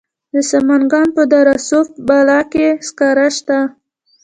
د سمنګان په دره صوف بالا کې سکاره شته.